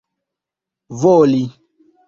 voli